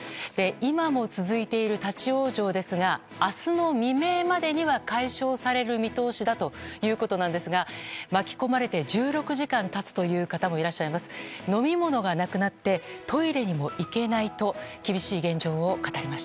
今も続いている立ち往生ですが明日の未明までには解消される見通しだということなんですが巻き込まれて１６時間経つという方もいらっしゃいます。